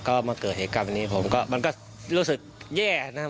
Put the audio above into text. ก็มาเกิดเหตุการณ์แบบนี้ผมก็มันก็รู้สึกแย่นะครับ